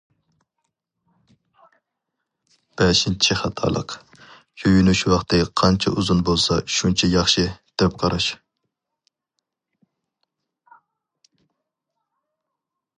بەشىنچى خاتالىق: يۇيۇنۇش ۋاقتى قانچە ئۇزۇن بولسا شۇنچە ياخشى، دەپ قاراش.